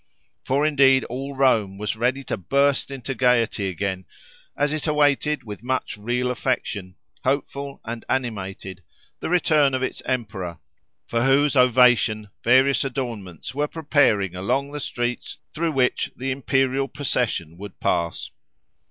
For indeed all Rome was ready to burst into gaiety again, as it awaited with much real affection, hopeful and animated, the return of its emperor, for whose ovation various adornments were preparing along the streets through which the imperial procession would pass.